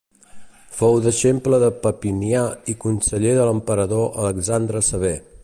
Fou deixeble de Papinià i conseller de l'emperador Alexandre Sever.